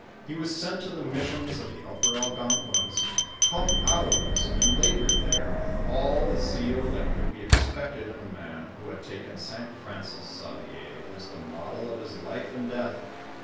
He was sent to the missions of the upper Algonquins, called Ottawas, and labored there with all tho zeal that could be ex pected in a man who had taken St. Franc's Xavier as the model of his life and death.